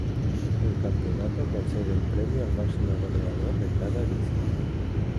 El campeonato concede un premio al máximo goleador de cada edición.